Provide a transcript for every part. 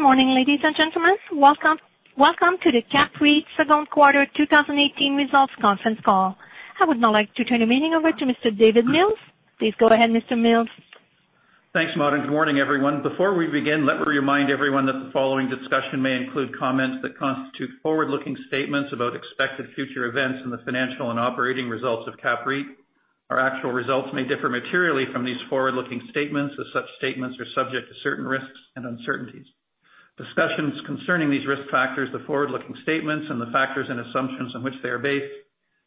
Good morning, ladies and gentlemen. Welcome to the CAPREIT second quarter 2018 results conference call. I would now like to turn the meeting over to Mr. David Mills. Please go ahead, Mr. Mills. Thanks, Maude, and good morning, everyone. Before we begin, let me remind everyone that the following discussion may include comments that constitute forward-looking statements about expected future events and the financial and operating results of CAPREIT. Our actual results may differ materially from these forward-looking statements, as such statements are subject to certain risks and uncertainties. Discussions concerning these risk factors, the forward-looking statements, and the factors and assumptions on which they are based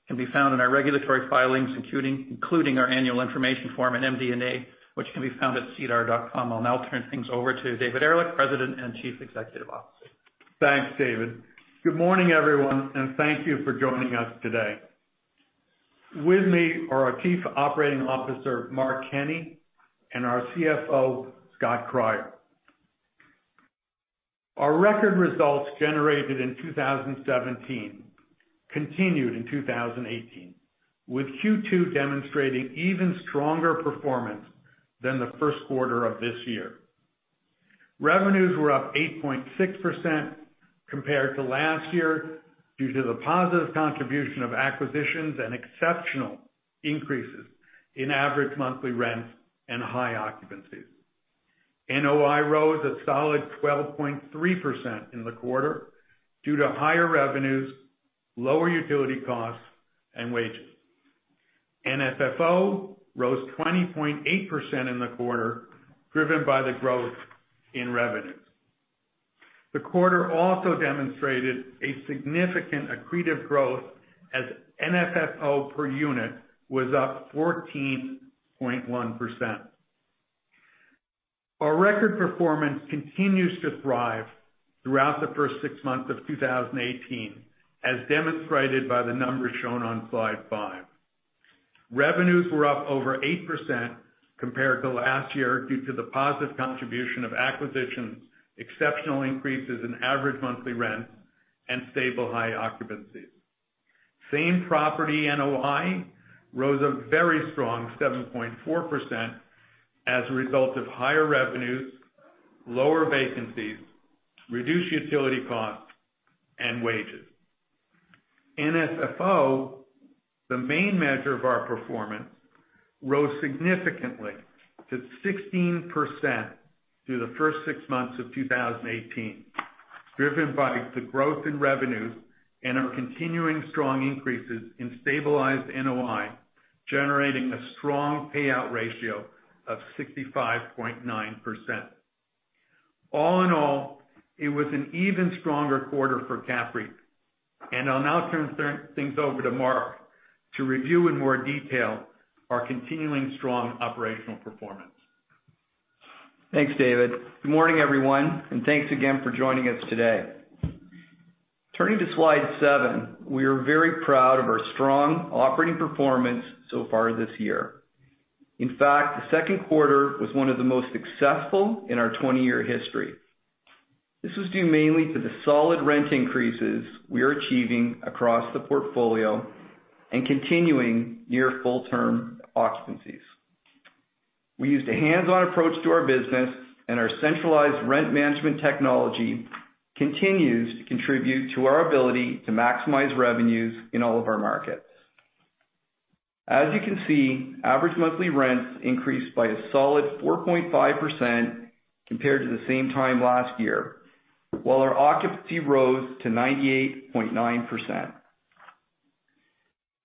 can be found in our regulatory filings, including our annual information form and MD&A, which can be found at sedar.com. I'll now turn things over to David Ehrlich, President and Chief Executive Officer. Thanks, David. Good morning, everyone, and thank you for joining us today. With me are our Chief Operating Officer, Mark Kenney, and our CFO, Scott Cryer. Our record results generated in 2017 continued in 2018, with Q2 demonstrating even stronger performance than the first quarter of this year. Revenues were up 8.6% compared to last year due to the positive contribution of acquisitions and exceptional increases in average monthly rents and high occupancies. NOI rose a solid 12.3% in the quarter due to higher revenues, lower utility costs, and wages. AFFO rose 20.8% in the quarter, driven by the growth in revenues. The quarter also demonstrated a significant accretive growth as AFFO per unit was up 14.1%. Our record performance continues to thrive throughout the first six months of 2018, as demonstrated by the numbers shown on slide five. Revenues were up over 8% compared to last year due to the positive contribution of acquisitions, exceptional increases in average monthly rent, and stable high occupancies. Same-property NOI rose a very strong 7.4% as a result of higher revenues, lower vacancies, reduced utility costs, and wages. AFFO, the main measure of our performance, rose significantly to 16% through the first six months of 2018, driven by the growth in revenues and our continuing strong increases in stabilized NOI, generating a strong payout ratio of 65.9%. All in all, it was an even stronger quarter for CAPREIT. I'll now turn things over to Mark to review in more detail our continuing strong operational performance. Thanks, David. Good morning, everyone. Thanks again for joining us today. Turning to slide seven, we are very proud of our strong operating performance so far this year. In fact, the second quarter was one of the most successful in our 20-year history. This was due mainly to the solid rent increases we are achieving across the portfolio and continuing near full-term occupancies. We used a hands-on approach to our business, and our centralized rent management technology continues to contribute to our ability to maximize revenues in all of our markets. As you can see, average monthly rents increased by a solid 4.5% compared to the same time last year, while our occupancy rose to 98.9%.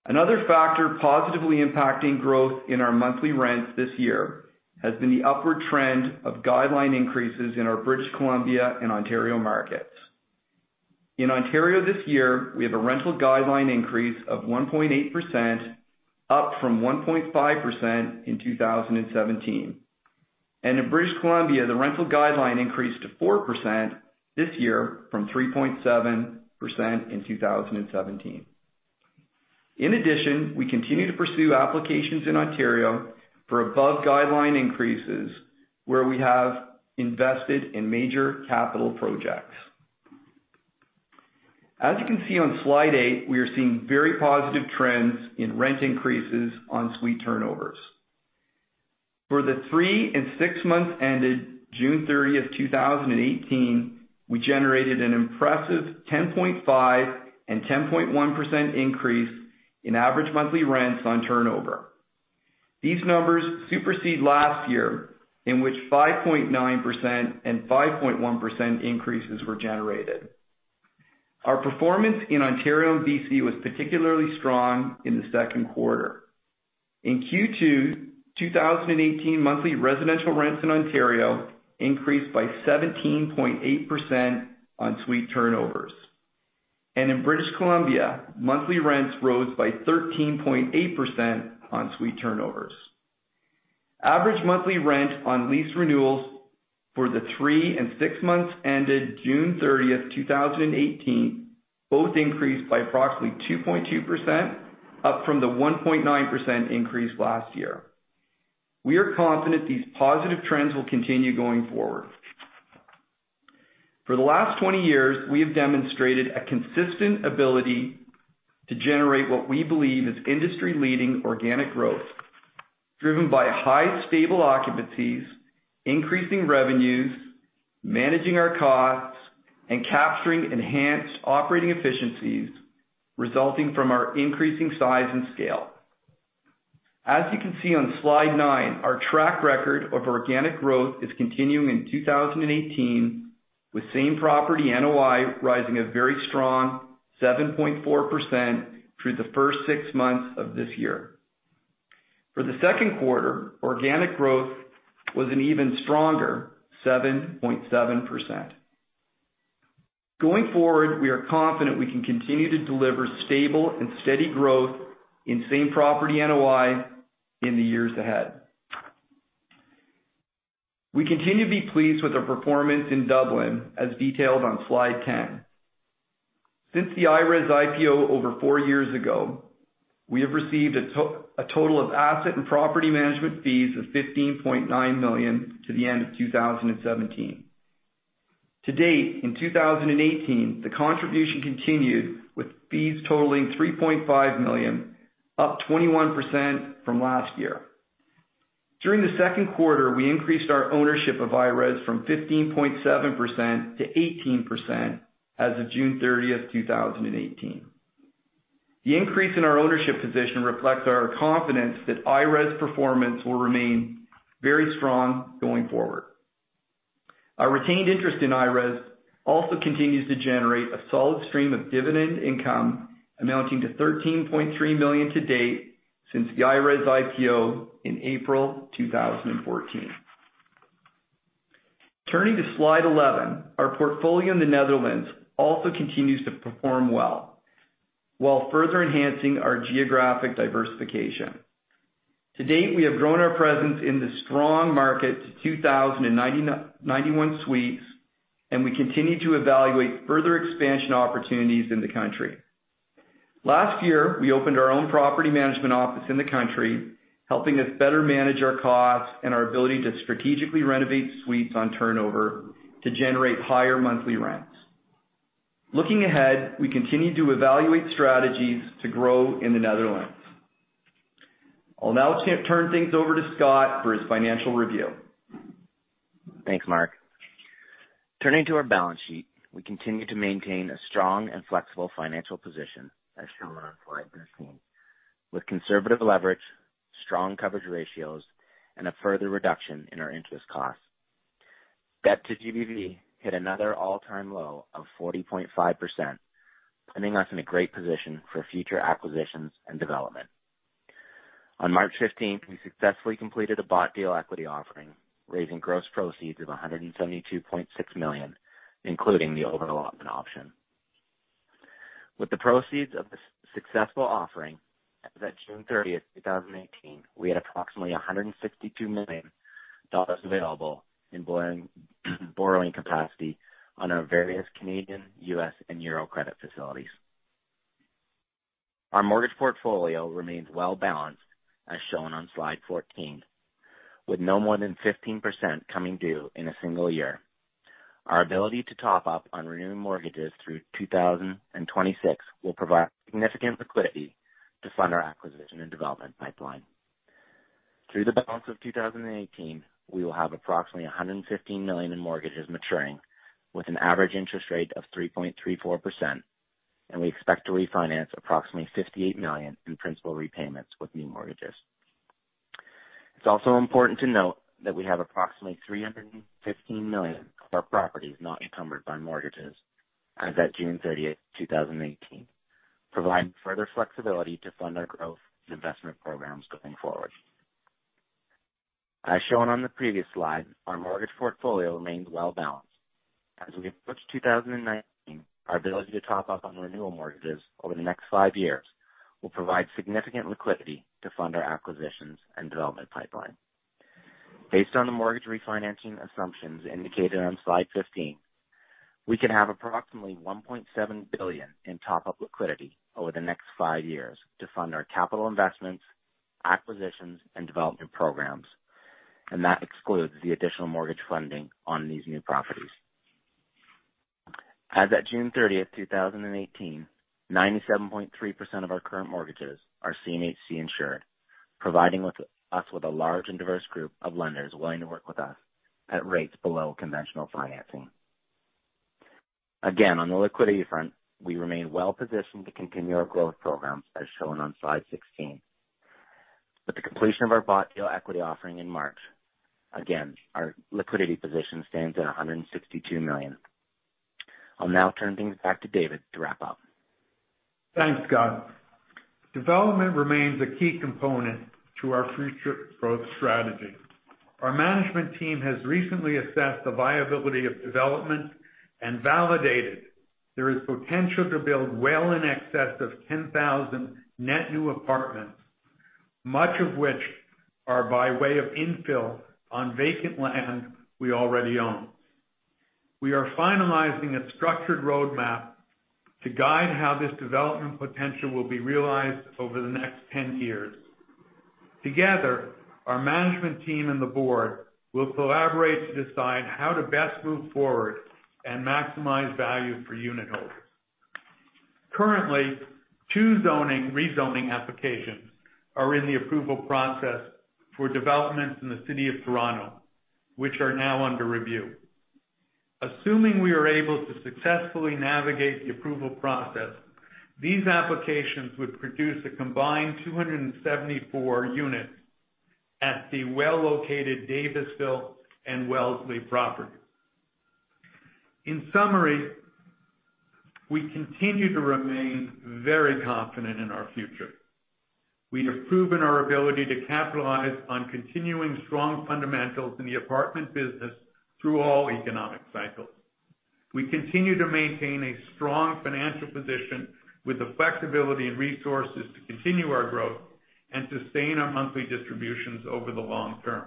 Another factor positively impacting growth in our monthly rents this year has been the upward trend of guideline increases in our British Columbia and Ontario markets. In Ontario this year, we have a rental guideline increase of 1.8%, up from 1.5% in 2017. In British Columbia, the rental guideline increased to 4% this year from 3.7% in 2017. In addition, we continue to pursue applications in Ontario for above-guideline increases, where we have invested in major capital projects. As you can see on slide eight, we are seeing very positive trends in rent increases on suite turnovers. For the three and six months ended June 30, 2018, we generated an impressive 10.5% and 10.1% increase in average monthly rents on turnover. These numbers supersede last year, in which 5.9% and 5.1% increases were generated. Our performance in Ontario and BC was particularly strong in the second quarter. In Q2 2018, monthly residential rents in Ontario increased by 17.8% on suite turnovers. In British Columbia, monthly rents rose by 13.8% on suite turnovers. Average monthly rent on lease renewals for the three and six months ended June 30, 2018 both increased by approximately 2.2%, up from the 1.9% increase last year. We are confident these positive trends will continue going forward. For the last 20 years, we have demonstrated a consistent ability to generate what we believe is industry-leading organic growth. Driven by high, stable occupancies, increasing revenues, managing our costs, and capturing enhanced operating efficiencies resulting from our increasing size and scale. As you can see on slide nine, our track record of organic growth is continuing in 2018, with same property NOI rising a very strong 7.4% through the first six months of this year. For the second quarter, organic growth was an even stronger 7.7%. Going forward, we are confident we can continue to deliver stable and steady growth in same property NOI in the years ahead. We continue to be pleased with our performance in Dublin, as detailed on slide 10. Since the IRES IPO over four years ago, we have received a total of asset and property management fees of 15.9 million to the end of 2017. To date, in 2018, the contribution continued with fees totaling 3.5 million, up 21% from last year. During the second quarter, we increased our ownership of IRES from 15.7% to 18% as of June 30, 2018. The increase in our ownership position reflects our confidence that IRES performance will remain very strong going forward. Our retained interest in IRES also continues to generate a solid stream of dividend income amounting to 13.3 million to date since the IRES IPO in April 2014. Turning to slide 11. Our portfolio in the Netherlands also continues to perform well while further enhancing our geographic diversification. To date, we have grown our presence in the strong market to 2,091 suites, and we continue to evaluate further expansion opportunities in the country. Last year, we opened our own property management office in the country, helping us better manage our costs and our ability to strategically renovate suites on turnover to generate higher monthly rents. Looking ahead, we continue to evaluate strategies to grow in the Netherlands. I'll now turn things over to Scott for his financial review. Thanks, Mark. Turning to our balance sheet. We continue to maintain a strong and flexible financial position, as shown on slide 13, with conservative leverage, strong coverage ratios, and a further reduction in our interest costs. Debt to GBV hit another all-time low of 40.5%, putting us in a great position for future acquisitions and development. On March 15th, we successfully completed a bought deal equity offering, raising gross proceeds of 172.6 million, including the overallotment option. With the proceeds of the successful offering, as at June 30th, 2018, we had approximately 162 million dollars available in borrowing capacity on our various Canadian, U.S., and euro credit facilities. Our mortgage portfolio remains well-balanced, as shown on slide 14, with no more than 15% coming due in a single year. Our ability to top up on renewing mortgages through 2026 will provide significant liquidity to fund our acquisition and development pipeline. Through the balance of 2018, we will have approximately 115 million in mortgages maturing with an average interest rate of 3.34%, and we expect to refinance approximately 58 million in principal repayments with new mortgages. It's also important to note that we have approximately 315 million of our properties not encumbered by mortgages as at June 30th, 2018, providing further flexibility to fund our growth and investment programs going forward. As shown on the previous slide, our mortgage portfolio remains well-balanced. As we approach 2019, our ability to top up on renewal mortgages over the next five years will provide significant liquidity to fund our acquisitions and development pipeline. Based on the mortgage refinancing assumptions indicated on slide 15, we could have approximately 1.7 billion in top-up liquidity over the next five years to fund our capital investments, acquisitions, and development programs, and that excludes the additional mortgage funding on these new properties. As at June 30th, 2018, 97.3% of our current mortgages are CMHC insured, providing us with a large and diverse group of lenders willing to work with us at rates below conventional financing. Again, on the liquidity front, we remain well positioned to continue our growth programs, as shown on slide 16. With the completion of our bought deal equity offering in March, again, our liquidity position stands at 162 million. I'll now turn things back to David to wrap up. Thanks, Scott. Development remains a key component to our future growth strategy. Our management team has recently assessed the viability of development and validated there is potential to build well in excess of 10,000 net new apartments, much of which are by way of infill on vacant land we already own. We are finalizing a structured roadmap to guide how this development potential will be realized over the next 10 years. Together, our management team and the board will collaborate to decide how to best move forward and maximize value for unitholders. Currently, two rezoning applications are in the approval process for developments in the city of Toronto, which are now under review. Assuming we are able to successfully navigate the approval process, these applications would produce a combined 274 units at the well-located Davisville and Wellesley properties. In summary, we continue to remain very confident in our future. We have proven our ability to capitalize on continuing strong fundamentals in the apartment business through all economic cycles. We continue to maintain a strong financial position with the flexibility and resources to continue our growth and sustain our monthly distributions over the long term.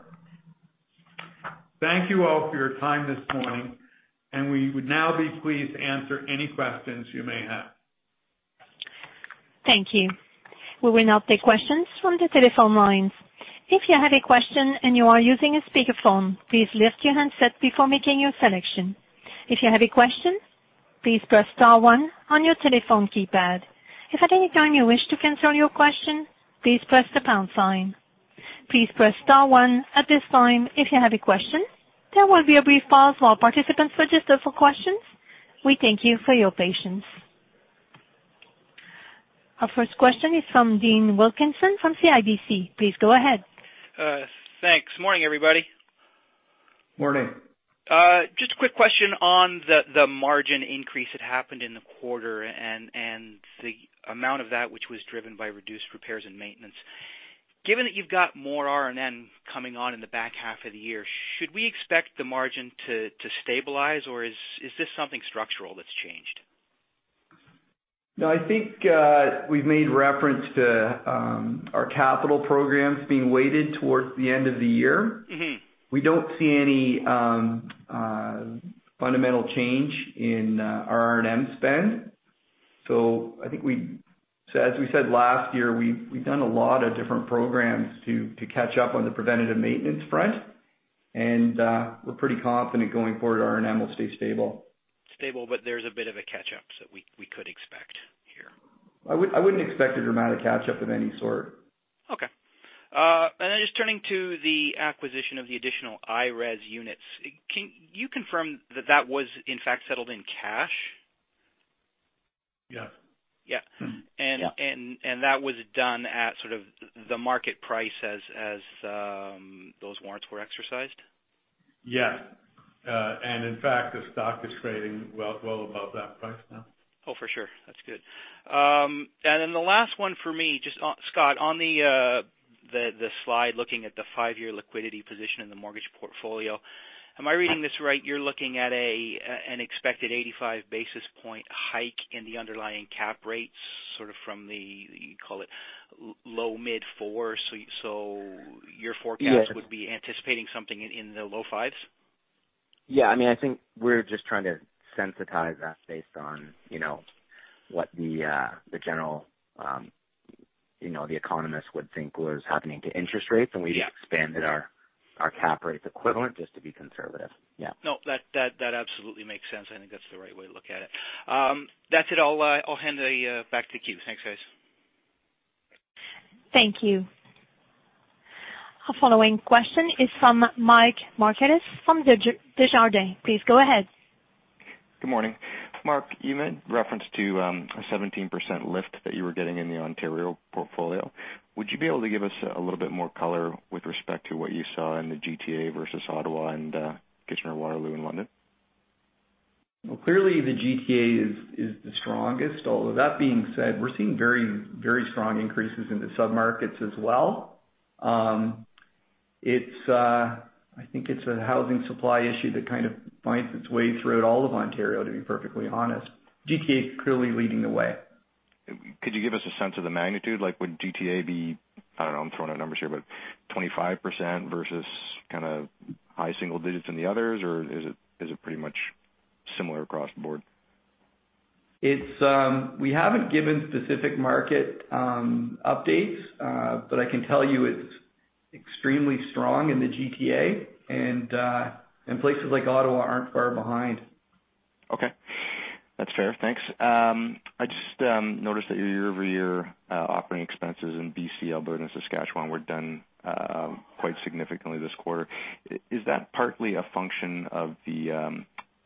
Thank you all for your time this morning. We would now be pleased to answer any questions you may have. Thank you. We will now take questions from the telephone lines. If you have a question and you are using a speakerphone, please lift your handset before making your selection. If you have a question, please press star one on your telephone keypad. If at any time you wish to cancel your question, please press the pound sign. Please press star one at this time if you have a question. There will be a brief pause while participants register for questions. We thank you for your patience. Our first question is from Dean Wilkinson from CIBC. Please go ahead. Thanks. Morning, everybody. Morning. Just a quick question on the margin increase that happened in the quarter and the amount of that which was driven by reduced repairs and maintenance. Given that you've got more R&M coming on in the back half of the year, should we expect the margin to stabilize, or is this something structural that's changed? I think, we've made reference to our capital programs being weighted towards the end of the year. We don't see any fundamental change in our R&M spend. As we said last year, we've done a lot of different programs to catch up on the preventative maintenance front, and we're pretty confident going forward, R&M will stay stable. Stable, there's a bit of a catch-up that we could expect here. I wouldn't expect a dramatic catch-up of any sort. Okay. Then just turning to the acquisition of the additional IRES units. Can you confirm that was in fact settled in cash? Yes. Yeah. Yeah. That was done at sort of the market price as those warrants were exercised? Yes. In fact, the stock is trading well above that price now. Oh, for sure. That's good. The last one for me, just, Scott, on the slide looking at the five-year liquidity position in the mortgage portfolio, am I reading this right? You're looking at an expected 85 basis point hike in the underlying cap rates, sort of from the, you call it, low, mid four. Your forecast- Yes would be anticipating something in the low fives? Yeah, I think we're just trying to sensitize that based on what the economists would think was happening to interest rates. Yeah. We expanded our cap rates equivalent just to be conservative. Yeah. No, that absolutely makes sense. I think that's the right way to look at it. That's it. I'll hand it back to Q. Thanks, guys. Thank you. Our following question is from Michael Markidis from Desjardins. Please go ahead. Good morning. Mark, you made reference to a 17% lift that you were getting in the Ontario portfolio. Would you be able to give us a little bit more color with respect to what you saw in the GTA versus Ottawa and Kitchener, Waterloo, and London? Well, clearly the GTA is the strongest, although that being said, we're seeing very strong increases in the sub-markets as well. I think it's a housing supply issue that kind of finds its way throughout all of Ontario, to be perfectly honest. GTA is clearly leading the way. Could you give us a sense of the magnitude? Like, would GTA be, I don't know, I'm throwing out numbers here, but 25% versus kind of high single digits in the others, or is it pretty much similar across the board? We haven't given specific market updates, I can tell you it's extremely strong in the GTA, places like Ottawa aren't far behind. Okay. That's fair. Thanks. I just noticed that your year-over-year operating expenses in B.C., Alberta, and Saskatchewan were done quite significantly this quarter. Is that partly a function of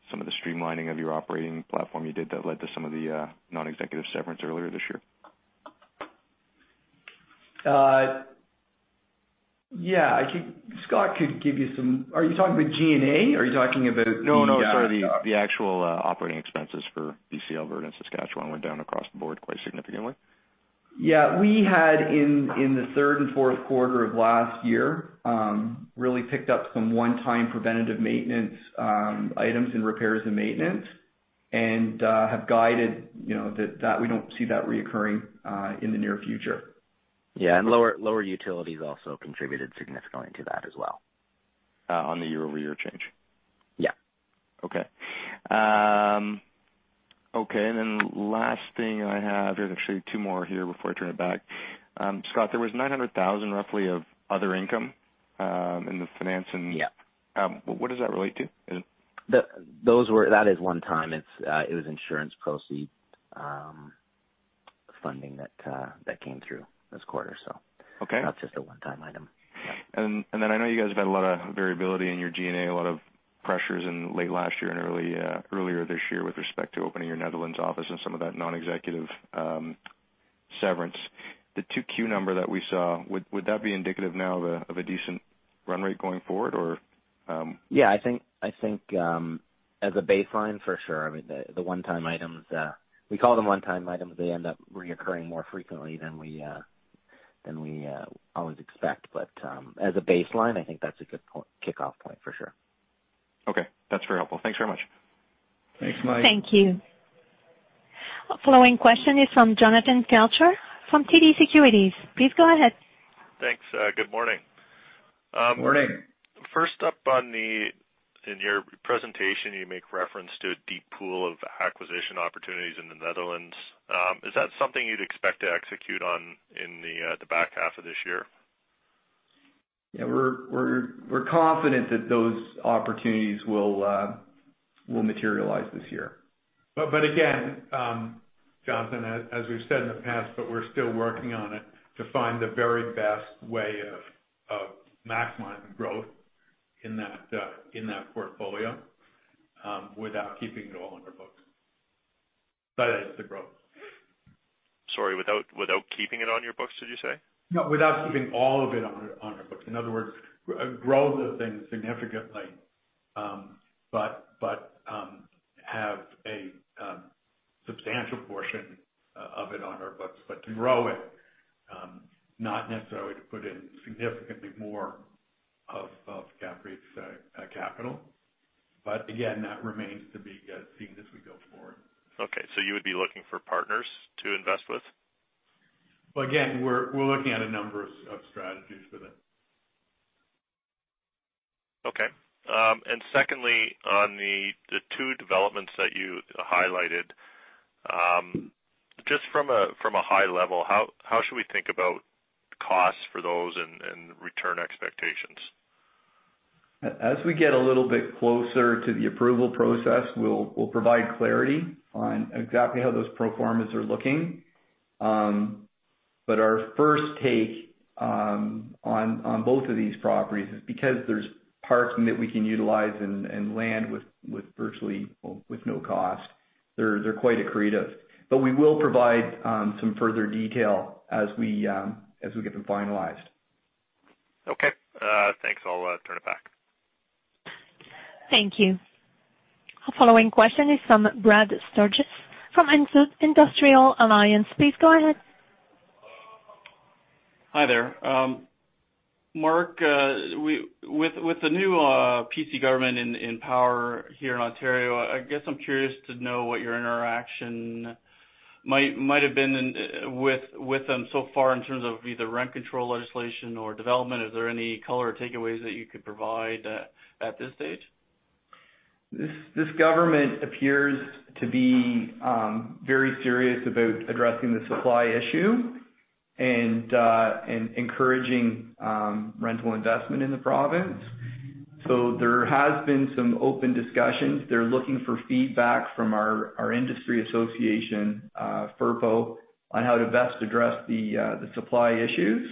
some of the streamlining of your operating platform you did that led to some of the non-executive severance earlier this year? Yeah. Scott could give you some Are you talking about G&A? Are you talking about? No, sorry, the actual operating expenses for B.C., Alberta, and Saskatchewan went down across the board quite significantly. Yeah. We had in the third and fourth quarter of last year, really picked up some one-time preventative maintenance items in repairs and maintenance and have guided that we don't see that reoccurring in the near future. Yeah, lower utilities also contributed significantly to that as well. On the year-over-year change? Yeah. Okay. Last thing I have, there's actually two more here before I turn it back. Scott, there was 900,000 roughly of other income in the finance and- Yeah. What does that relate to? That is one-time. It was insurance proceed funding that came through this quarter. Okay. That's just a one-time item. Yeah. I know you guys have had a lot of variability in your G&A, a lot of pressures in late last year and earlier this year with respect to opening your Netherlands office and some of that non-executive severance. The 2Q number that we saw, would that be indicative now of a decent run rate going forward or? Yeah, I think as a baseline for sure. I mean, the one-time items, we call them one-time items, they end up reoccurring more frequently than we always expect. As a baseline, I think that's a good kickoff point for sure. Okay. That's very helpful. Thanks very much. Thanks, Mike. Thank you. Following question is from Jonathan Kelcher from TD Securities. Please go ahead. Thanks. Good morning. Morning. First up, in your presentation, you make reference to a deep pool of acquisition opportunities in the Netherlands. Is that something you'd expect to execute on in the back half of this year? Yeah, we're confident that those opportunities will materialize this year. Jonathan, as we've said in the past, but we're still working on it to find the very best way of maximizing growth in that portfolio, without keeping it all on our books. It's a growth. Sorry, without keeping it on your books, did you say? No, without keeping all of it on our books. In other words, grow the thing significantly, but have a substantial portion of it on our books. To grow it, not necessarily to put in significantly more of CAPREIT's capital. Again, that remains to be seen as we go forward. Okay. You would be looking for partners to invest with? Again, we're looking at a number of strategies for that. Okay. Secondly, on the two developments that you highlighted, just from a high level, how should we think about costs for those and return expectations? As we get a little bit closer to the approval process, we'll provide clarity on exactly how those pro formas are looking. Our first take on both of these properties is because there's parking that we can utilize and land with virtually no cost. They're quite accretive. We will provide some further detail as we get them finalized. Okay. Thanks. I'll turn it back. Thank you. Following question is from Brad Sturges from Industrial Alliance. Please go ahead. Hi there. Mark, with the new PC government in power here in Ontario, I guess I'm curious to know what your interaction might have been with them so far in terms of either rent control legislation or development. Is there any color or takeaways that you could provide at this stage? This government appears to be very serious about addressing the supply issue and encouraging rental investment in the province. There has been some open discussions. They're looking for feedback from our industry association, FRPO, on how to best address the supply issues.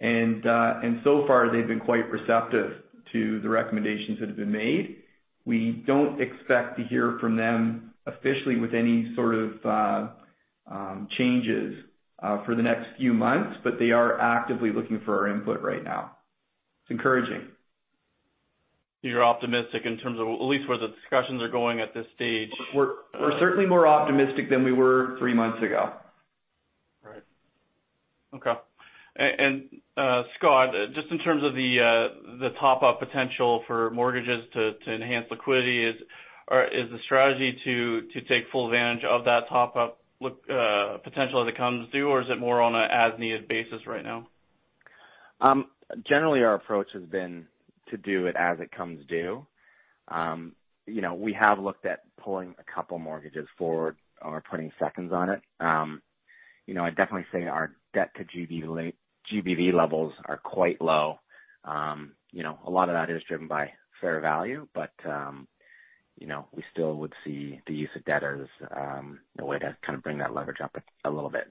So far, they've been quite receptive to the recommendations that have been made. We don't expect to hear from them officially with any sort of changes for the next few months, but they are actively looking for our input right now. It's encouraging. You're optimistic in terms of at least where the discussions are going at this stage. We're certainly more optimistic than we were three months ago. Right. Okay. Scott, just in terms of the top-up potential for mortgages to enhance liquidity, is the strategy to take full advantage of that top-up potential as it comes due, or is it more on an as-needed basis right now? Generally, our approach has been to do it as it comes due. We have looked at pulling a couple mortgages forward or putting seconds on it. I'd definitely say our debt to GBV levels are quite low. A lot of that is driven by fair value, but we still would see the use of debt, a way to kind of bring that leverage up a little bit.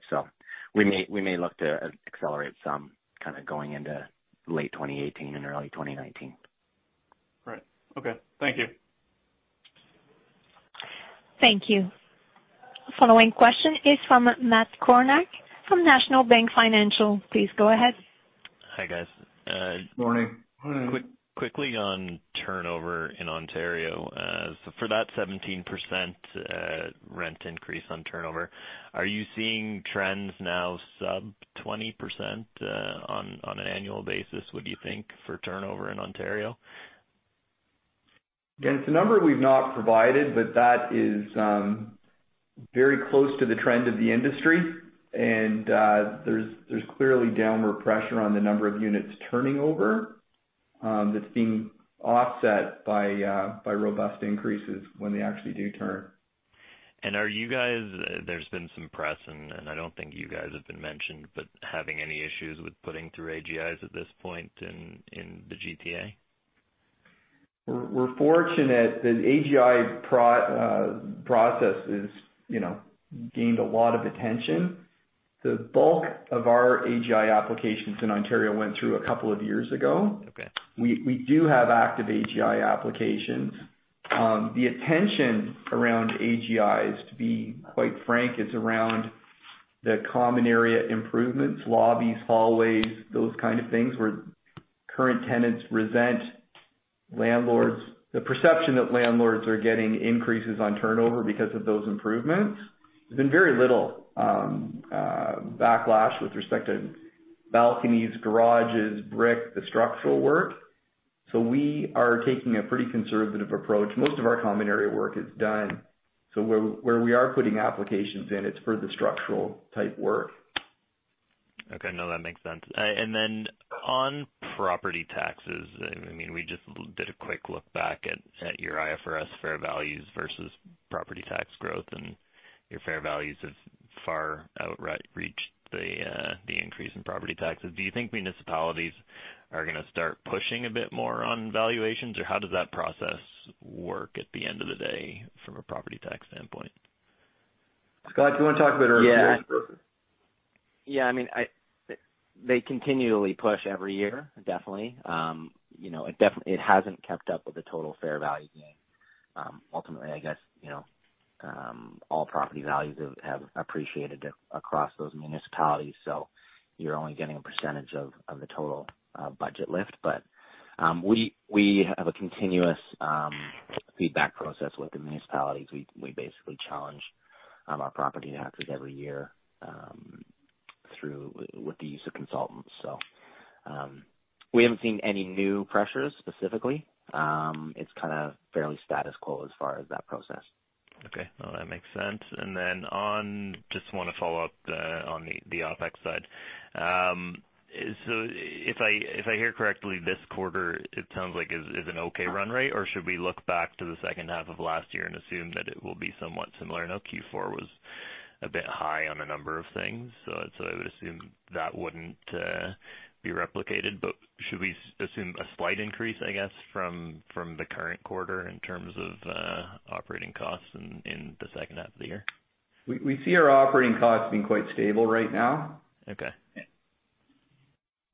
We may look to accelerate some going into late 2018 and early 2019. Right. Okay. Thank you. Thank you. Following question is from Matt Kornack from National Bank Financial. Please go ahead. Hi, guys. Morning. Morning. Quickly on turnover in Ontario. For that 17% rent increase on turnover, are you seeing trends now sub 20% on an annual basis, would you think, for turnover in Ontario? It's a number we've not provided, but that is very close to the trend of the industry, and there's clearly downward pressure on the number of units turning over that's being offset by robust increases when they actually do turn. Are you guys, there's been some press and I don't think you guys have been mentioned, but having any issues with putting through AGIs at this point in the GTA? We're fortunate that AGI process has gained a lot of attention. The bulk of our AGI applications in Ontario went through a couple of years ago. Okay. We do have active AGI applications. The attention around AGIs, to be quite frank, is around the common area improvements, lobbies, hallways, those kind of things, where current tenants resent the perception that landlords are getting increases on turnover because of those improvements. There's been very little backlash with respect to balconies, garages, brick, the structural work. We are taking a pretty conservative approach. Most of our common area work is done. Where we are putting applications in, it's for the structural type work. Okay. No, that makes sense. Then on property taxes, we just did a quick look back at your IFRS fair values versus property tax growth, and your fair values have far outreached the increase in property taxes. Do you think municipalities are going to start pushing a bit more on valuations, or how does that process work at the end of the day from a property tax standpoint? Scott, do you want to talk about our process? Yeah. They continually push every year, definitely. It hasn't kept up with the total fair value gain. Ultimately, I guess, all property values have appreciated across those municipalities, so you're only getting a percentage of the total budget lift. We have a continuous feedback process with the municipalities. We basically challenge our property taxes every year with the use of consultants. We haven't seen any new pressures specifically. It's kind of fairly status quo as far as that process. Okay. No, that makes sense. Then just want to follow up on the OpEx side. If I hear correctly, this quarter, it sounds like is an okay run rate, or should we look back to the second half of last year and assume that it will be somewhat similar? I know Q4 was a bit high on a number of things, so I would assume that wouldn't be replicated. Should we assume a slight increase, I guess, from the current quarter in terms of operating costs in the second half of the year? We see our operating costs being quite stable right now. Okay.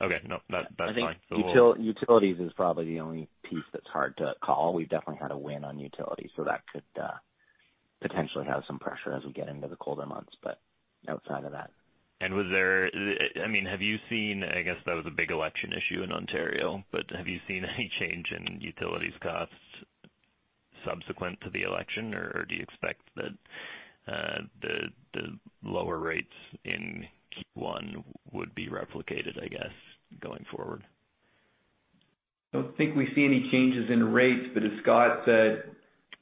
No, that's fine. I think utilities is probably the only piece that's hard to call. We've definitely had a win on utilities, so that could potentially have some pressure as we get into the colder months, but outside of that. I guess that was a big election issue in Ontario, but have you seen any change in utilities costs subsequent to the election, or do you expect that the lower rates in Q1 would be replicated, I guess, going forward? I don't think we see any changes in rates, but as Scott said,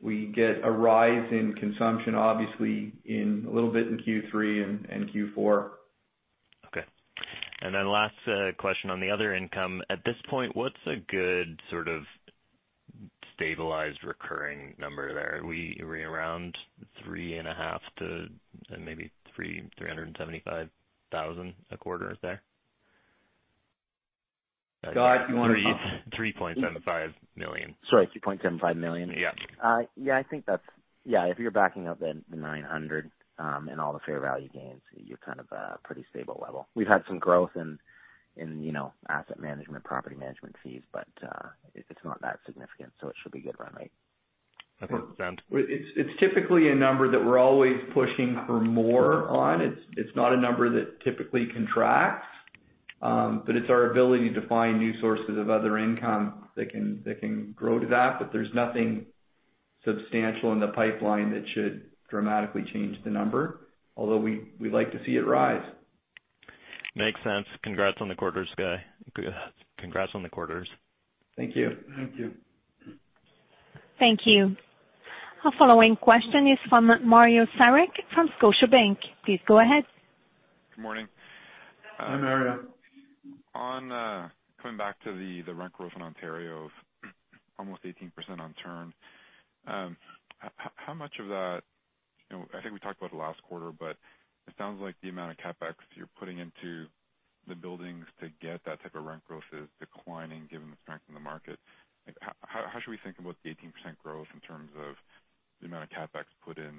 we get a rise in consumption, obviously, in a little bit in Q3 and Q4. Okay. Last question on the other income. At this point, what's a good sort of stabilized recurring number there? We're around three and a half to maybe 375,000 a quarter. Is that? Scott, do you want to? 3.75 million. Sorry, 3.75 million? Yeah. Yeah. If you're backing out the 900 and all the fair value gains, you're kind of pretty stable level. We've had some growth in asset management, property management fees, but it's not that significant. It should be a good run rate. That makes sense. It's typically a number that we're always pushing for more on. It's not a number that typically contracts. It's our ability to find new sources of other income that can grow to that. There's nothing substantial in the pipeline that should dramatically change the number. We'd like to see it rise. Makes sense. Congrats on the quarters. Thank you. Thank you. Thank you. Thank you. Our following question is from Mario Saric from Scotiabank. Please go ahead. Good morning. Hi, Mario. Coming back to the rent growth in Ontario of almost 18% on turn. I think we talked about it last quarter, but it sounds like the amount of CapEx you're putting into the buildings to get that type of rent growth is declining given the strength in the market. How should we think about the 18% growth in terms of the amount of CapEx put in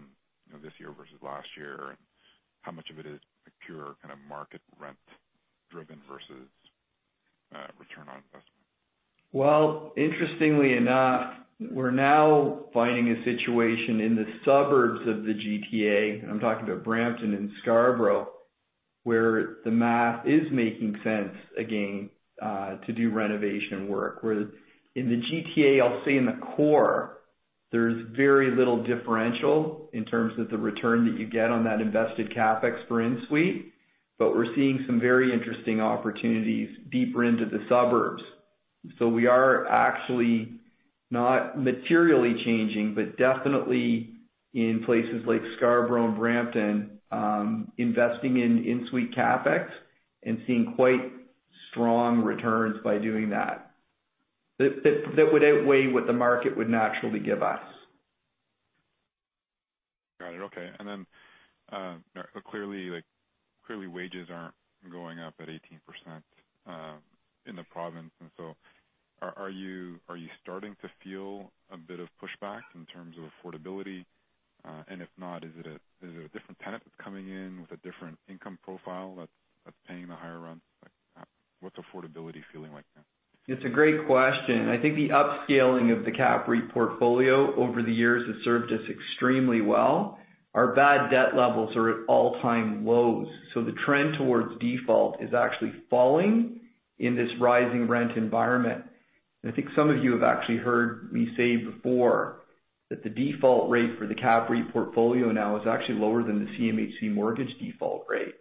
this year versus last year, and how much of it is pure kind of market rent driven versus return on investment? Well, interestingly enough, we're now finding a situation in the suburbs of the GTA, and I'm talking about Brampton and Scarborough, where the math is making sense again to do renovation work. Where in the GTA, I'll say in the core, there's very little differential in terms of the return that you get on that invested CapEx for in-suite, but we're seeing some very interesting opportunities deeper into the suburbs. We are actually not materially changing, but definitely in places like Scarborough and Brampton, investing in in-suite CapEx and seeing quite strong returns by doing that. That would outweigh what the market would naturally give us. Got it. Okay. Clearly wages aren't going up at 18% in the province. So are you starting to feel a bit of pushback in terms of affordability? If not, is it a different tenant that's coming in with a different income profile that's paying the higher rents? What's affordability feeling like now? It's a great question. I think the upscaling of the CAPREIT portfolio over the years has served us extremely well. Our bad debt levels are at all-time lows, so the trend towards default is actually falling in this rising rent environment. I think some of you have actually heard me say before that the default rate for the CAPREIT portfolio now is actually lower than the CMHC mortgage default rate.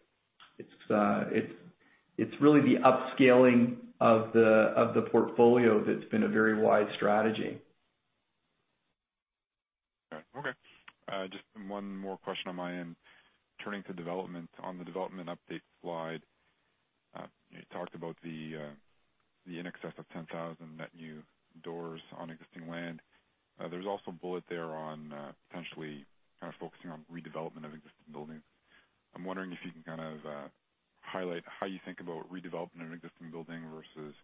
It's really the upscaling of the portfolio that's been a very wise strategy. Got it. Okay. Just one more question on my end. Turning to development, on the development update slide, you talked about the in excess of 10,000 net new doors on existing land. There's also a bullet there on potentially kind of focusing on redevelopment of existing buildings. I'm wondering if you can kind of highlight how you think about redeveloping an existing building versus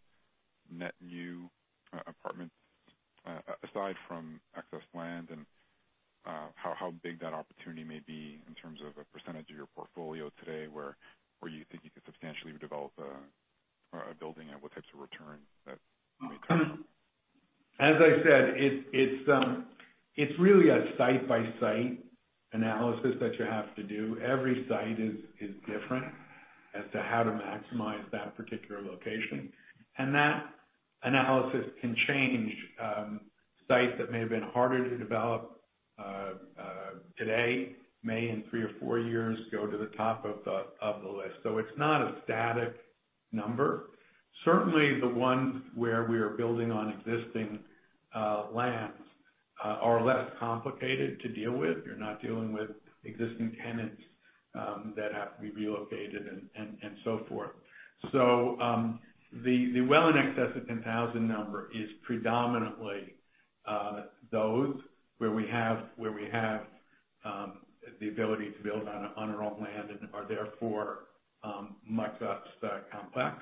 net new apartments, aside from excess land, and how big that opportunity may be in terms of a percentage of your portfolio today, where you think you could substantially redevelop a building and what types of return that may come from. As I said, it's really a site-by-site analysis that you have to do. Every site is different as to how to maximize that particular location, and that analysis can change. Sites that may have been harder to develop today may, in three or four years, go to the top of the list. It's not a static number. Certainly, the ones where we are building on existing lands are less complicated to deal with. You're not dealing with existing tenants that have to be relocated and so forth. The well in excess of 10,000 number is predominantly those where we have the ability to build on our own land and are therefore much less complex,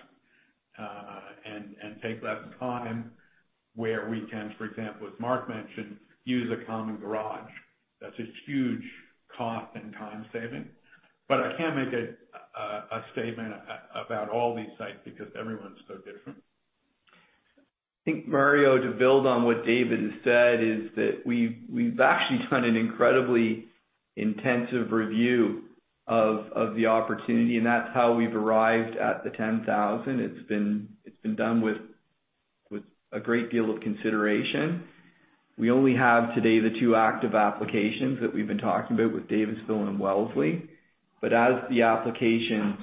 and take less time, where we can, for example, as Mark mentioned, use a common garage. That's a huge cost and time saving. I can't make a statement about all these sites because every one's so different. I think, Mario, to build on what David has said, is that we've actually done an incredibly intensive review of the opportunity, and that's how we've arrived at the 10,000. It's been done with a great deal of consideration. We only have today the two active applications that we've been talking about with Davisville and Wellesley. As the applications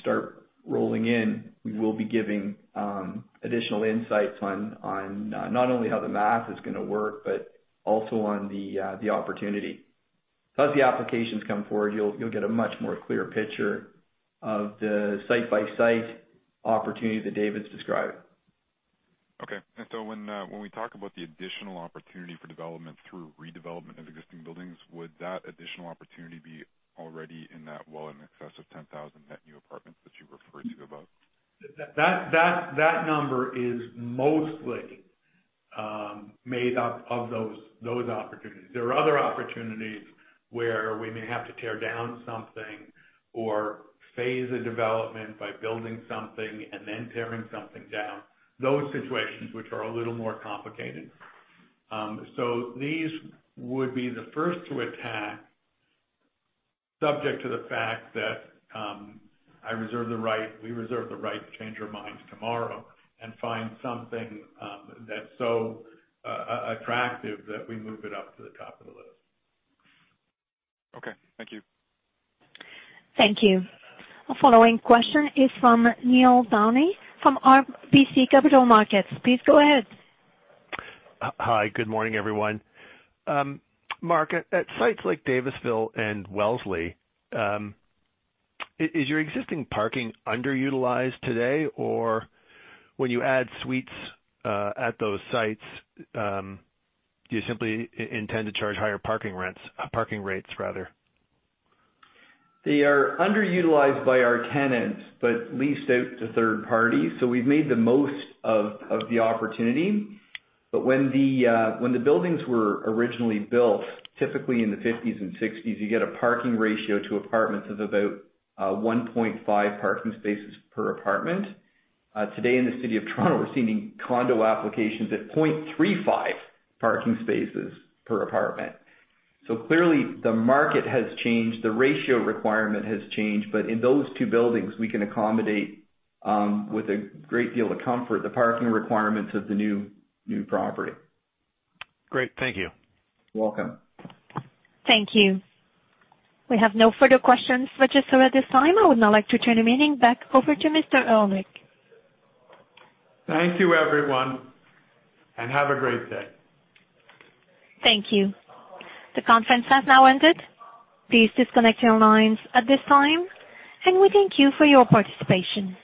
start rolling in, we will be giving additional insights on not only how the math is going to work, but also on the opportunity. As the applications come forward, you'll get a much more clear picture of the site-by-site opportunity that David's described. Okay. When we talk about the additional opportunity for development through redevelopment of existing buildings, would that additional opportunity be already in that well in excess of 10,000 net new apartments that you referred to above? That number is mostly made up of those opportunities. There are other opportunities where we may have to tear down something or phase a development by building something and then tearing something down. Those situations, which are a little more complicated. These would be the first to attack, subject to the fact that we reserve the right to change our minds tomorrow and find something that's so attractive that we move it up to the top of the list. Okay. Thank you. Thank you. Our following question is from Neil Downey from RBC Capital Markets. Please go ahead. Hi. Good morning, everyone. Mark, at sites like Davisville and Wellesley, is your existing parking underutilized today, or when you add suites, at those sites, do you simply intend to charge higher parking rents? Parking rates, rather. They are underutilized by our tenants but leased out to third parties. We've made the most of the opportunity. When the buildings were originally built, typically in the '50s and '60s, you get a parking ratio to apartments of about 1.5 parking spaces per apartment. Today in the city of Toronto, we're seeing condo applications at 0.35 parking spaces per apartment. Clearly the market has changed, the ratio requirement has changed. In those two buildings, we can accommodate, with a great deal of comfort, the parking requirements of the new property. Great. Thank you. You're welcome. Thank you. We have no further questions registered at this time. I would now like to turn the meeting back over to Mr. Ehrlich. Thank you, everyone. Have a great day. Thank you. The conference has now ended. Please disconnect your lines at this time. We thank you for your participation.